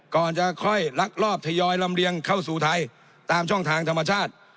ก่อนจะค่อยลักลอบทยอยลำเลียงเข้าสู่ไทยตามช่องทางธรรมชาติ